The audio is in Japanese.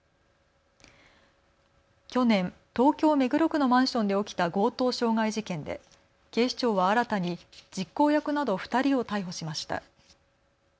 去年、東京目黒区のマンションで起きた強盗傷害事件で警視庁は新たに実行役など２人を逮捕しました。